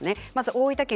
大分県